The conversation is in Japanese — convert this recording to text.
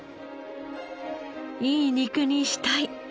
いい肉にしたい。